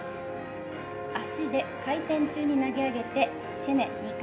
足で回転中に投げ上げてシネ２回。